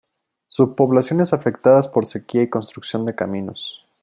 Subpoblaciones afectadas por sequía y construcción de caminos.